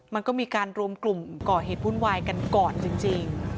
มันก็มีการรวมกลุ่มก่อเหตุวุ่นวายกันก่อนจริง